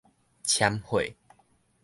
攕血